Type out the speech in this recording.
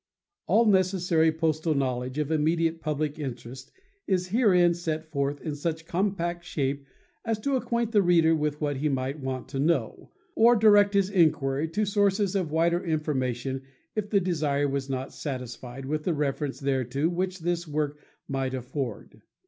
All necessary postal knowledge of immediate public interest is herein set forth in such compact shape as to acquaint the reader with what he might want to know, or direct his inquiry to sources of wider information if the desire was not satisfied with the reference thereto which this work might afford.